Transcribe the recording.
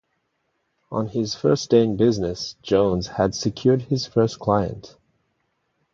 On his first day in business Jones had secured his first client.